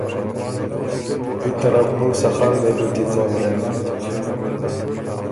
بی طرف بُو سخر وېګه کی ځؤرېن۔